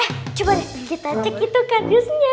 eh coba deh kita cek itu kadiusnya